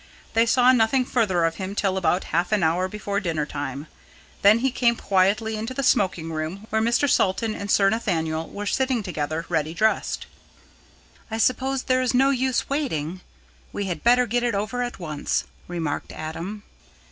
They saw nothing further of him till about half an hour before dinner time. Then he came quietly into the smoking room, where Mr. Salton and Sir Nathaniel were sitting together, ready dressed. "I suppose there is no use waiting. We had better get it over at once," remarked Adam.